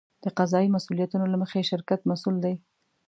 د قضایي مسوولیتونو له مخې شرکت مسوول دی.